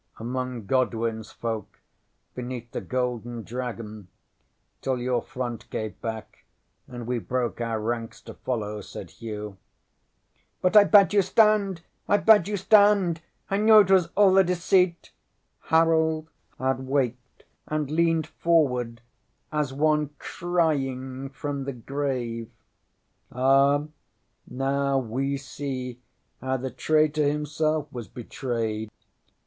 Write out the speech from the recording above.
ŌĆØ ŌĆśŌĆ£Among GodwinŌĆÖs folk beneath the Golden Dragon till your front gave back, and we broke our ranks to follow, ŌĆØ said Hugh. ŌĆśŌĆ£But I bade you stand! I bade you stand! I knew it was all a deceit! ŌĆØ Harold had waked, and leaned forward as one crying from the grave. ŌĆśŌĆ£Ah, now we see how the traitor himself was betrayed!